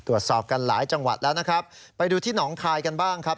ตรวจสอบกันหลายจังหวัดแล้วนะครับไปดูที่หนองคายกันบ้างครับ